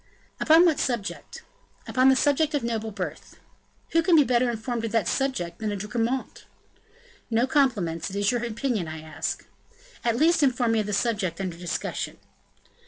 "Upon what subject?" "Upon the subject of noble birth." "Who can be better informed on that subject than a De Gramont?" "No compliments; it is your opinion I ask." "At least, inform me of the subject under discussion."